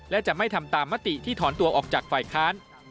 และจะไม่ทำตามมติที่ถอนตัวออกจากฝ่ายค้าน